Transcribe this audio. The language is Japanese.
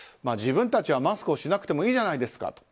自分たちはマスクをしなくてもいいじゃないですか。